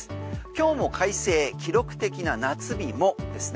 今日も快晴記録的夏日もですね。